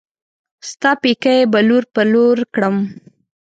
ستا پيکی به لور پر لور کړم